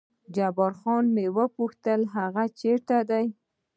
جبار خان مې وپوښت هغه چېرې دی؟